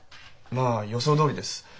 まあ予想どおりです。